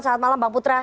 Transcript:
salam malam bang putra